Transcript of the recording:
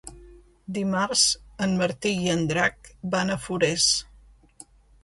Dimarts en Martí i en Drac van a Forès.